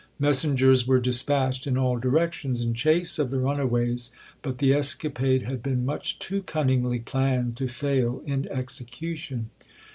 Messengers were despatched in all directions in chase of the runaways; but the escapade had been much too cunningly planned to fail in execution.